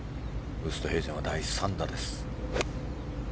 ウーストヘイゼンは第３打です。